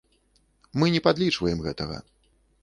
Мы не падлічваем гэтага.